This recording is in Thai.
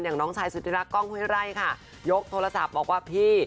น้องชายสุธิรักกล้องห้วยไร่ค่ะยกโทรศัพท์บอกว่าพี่